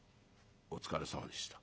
「お疲れさまでした。